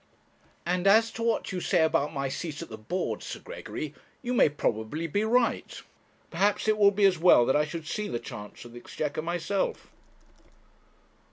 'And as to what you say about my seat at the board, Sir Gregory, you may probably be right. Perhaps it will be as well that I should see the Chancellor of the Exchequer myself.'